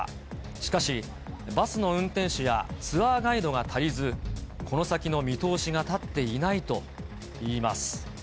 しかし、バスの運転手やツアーガイドが足りず、この先の見通しが立っていないといいます。